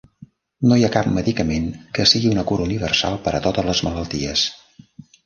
No hi ha cap medicament que sigui una cura universal per a totes les malalties.